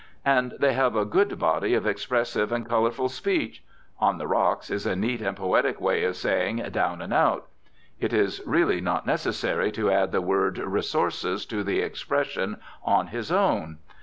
And they have a good body of expressive and colourful speech. "On the rocks" is a neat and poetic way of saying "down and out." It is really not necessary to add the word "resources" to the expression "on his own."